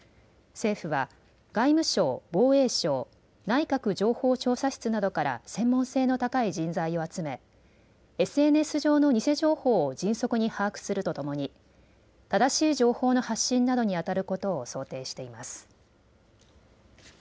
政府は外務省、防衛省、内閣情報調査室などから専門性の高い人材を集め、ＳＮＳ上の偽情報を迅速に把握するとともに正しい情報の発信などにあたることを想定しています。